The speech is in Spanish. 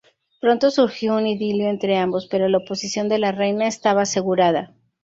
Pronto surgió un idilio entre ambos, pero la oposición de la reina estaba asegurada.